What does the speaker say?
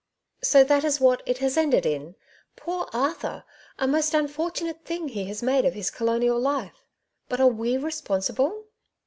'* So that is what it has ended in? Poor Arthur! a most unfortunate thing he has made of his colonial life. But are we responsible